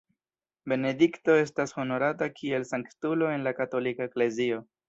Benedikto estas honorata kiel sanktulo en la katolika eklezio.